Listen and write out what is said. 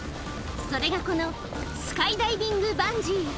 それがこのスカイダイビングバンジー。